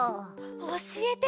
おしえて！